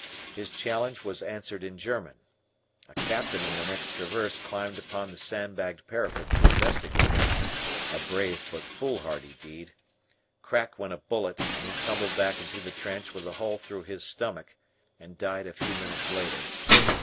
His challenge was answered in German. A captain in the next traverse climbed upon the sandbagged parapet to investigate a brave but foolhardly deed "Crack" went a bullet and he tumbled back into the trench with a hole through his stomach and died a few minutes later.